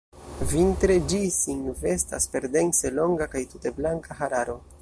Vintre ĝi sin vestas per densa, longa kaj tute blanka hararo.